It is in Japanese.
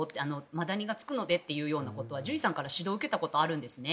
マダニがつくのでということは獣医さんから指導を受けたことがあるんですね。